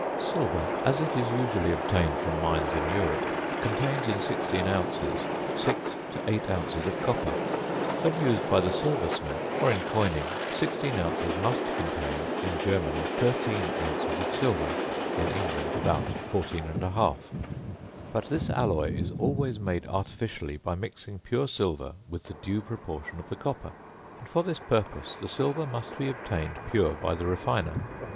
Silver, as it is usually obtained from mines in Europe, contains in 16 ounces, 6 to 8 ounces of copper. When used by the silversmith, or in coining, 16 ounces must contain in Germany 13 ounces of silver, in England about 14 1/2. But this alloy is always made artificially by mixing pure silver with the due proportion of the copper; and for this purpose the silver must be obtained pure by the refiner.